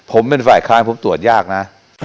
ผมเป็นฝ่ายค้านผมตรวจยากนะ